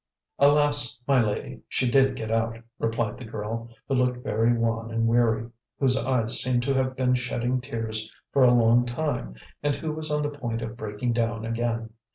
"Alas! my lady, she did get out," replied the girl, who looked very wan and weary, whose eyes seemed to have been shedding tears for a long time, and who was on the point of breaking down again.